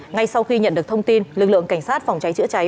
ngay sau khi nhận được thông tin lực lượng cảnh sát phòng cháy chữa cháy